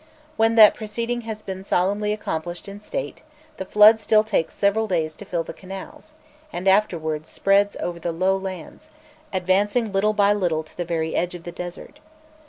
When that proceeding has been solemnly accomplished in state, the flood still takes several days to fill the canals, and afterwards spreads over the low lands, advancing little by little to the very edge of the desert.